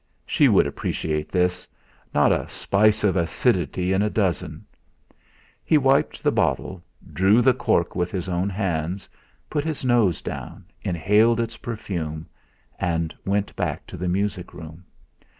She would appreciate this; not a spice of acidity in a dozen. He wiped the bottle, drew the cork with his own hands, put his nose down, inhaled its perfume, and went back to the music room.